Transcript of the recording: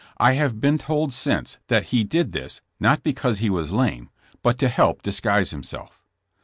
I have been told since, that he did this, not because he was lame, but to help disguise himself.